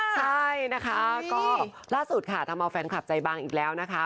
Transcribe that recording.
ใช่นะคะก็ล่าสุดค่ะทำเอาแฟนคลับใจบังอีกแล้วนะคะ